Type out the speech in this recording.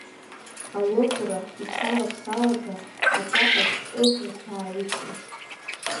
Алыӷәра иԥсала-ԥсалаӡа аҵәаҟаԥшь ықәрҭәаа иқәын.